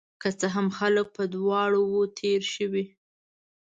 که څه هم، خلک په دواړو وو تیر شوي